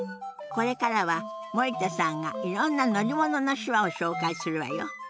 これからは森田さんがいろんな乗り物の手話を紹介するわよ。